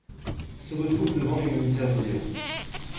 Se retrouve devant les moniteurs vidéo.